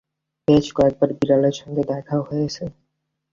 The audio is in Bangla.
বেশ কয়েক বার বিড়ালের সঙ্গে দেখা হয়েছে।